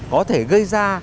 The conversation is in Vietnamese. có thể gây ra